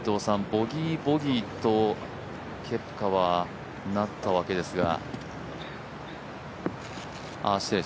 ボギー、ボギーとケプカはなったわけですが？